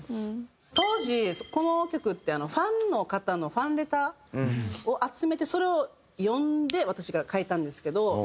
当時この曲ってファンの方のファンレターを集めてそれを読んで私が書いたんですけど。